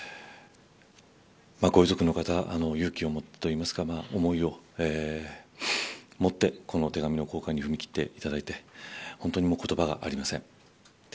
ご遺族の方勇気を持ってと言いますか思いを持って、この手紙を公開に踏み切っていただいて本当に言葉がありません。